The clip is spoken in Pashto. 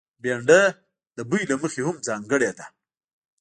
بېنډۍ د بوي له مخې هم ځانګړې ده